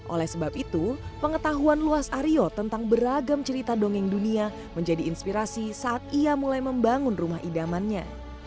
oleh sebab itu pengetahuan luas aryo tentang beragam cerita dongeng dunia menjadi inspirasi saat ia mulai membangun rumah idamannya